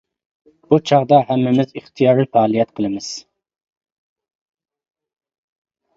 بۇ چاغدا ھەممىمىز ئىختىيارى پائالىيەت قىلىمىز.